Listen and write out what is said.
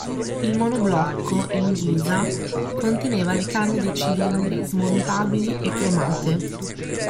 Il monoblocco, in ghisa, conteneva le canne dei cilindri smontabili e cromate.